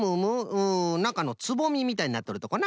うんなかのつぼみみたいになっとるとこな。